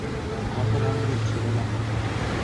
কথা বন্ধ, ছেলেরা।